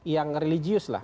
yang religius lah